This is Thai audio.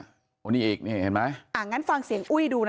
อันนี้เอกเนี้ยเห็นไหม